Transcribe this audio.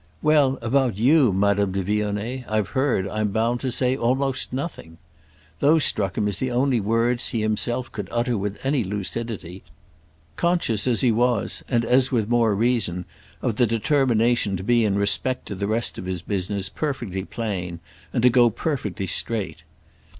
"Well, about you, Madame de Vionnet, I've heard, I'm bound to say, almost nothing"—those struck him as the only words he himself could utter with any lucidity; conscious as he was, and as with more reason, of the determination to be in respect to the rest of his business perfectly plain and go perfectly straight.